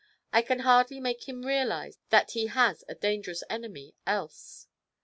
I can hardly make him realize that he has a dangerous enemy else.'